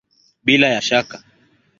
Bila ya shaka!